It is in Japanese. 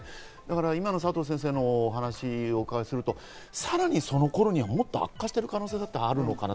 佐藤先生のお話をお伺いすると、さらにその頃にはもっと悪化してる可能性だってあるのかなと。